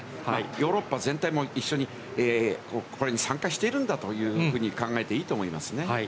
ヨーロッパ全体も一緒にこれに参加しているんだというふうに考えていいと思いますね。